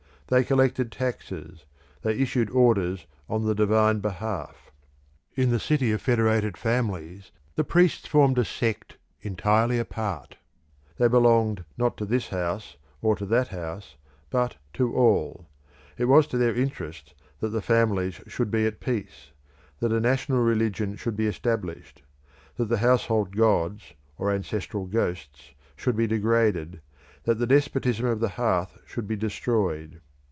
They collected taxes, they issued orders on the divine behalf. In the city of federated families the priests formed a section entirely apart; they belonged not to this house, or to that house, but to all; it was to their interest that the families should be at peace; that a national religion should be established; that the household gods or ancestral ghosts should be degraded, that the despotism of the hearth should be destroyed.